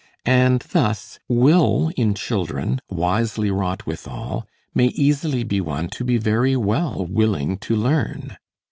And thus, will in children, wisely wrought withal, may easily be won to be very well willing to learn.